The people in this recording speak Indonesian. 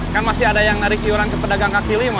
kan masih ada yang narik iuran ke pedagang kaki lima